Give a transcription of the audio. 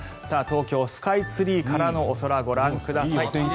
東京スカイツリーからのお空ご覧ください。